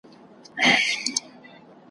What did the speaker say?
یوه ورځ خره ته لېوه ویله وروره `